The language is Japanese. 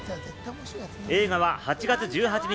映画は８月１８日